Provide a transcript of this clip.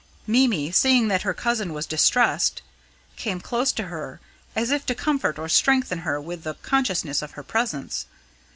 Mimi, seeing that her cousin was distressed, came close to her, as if to comfort or strengthen her with the consciousness of her presence.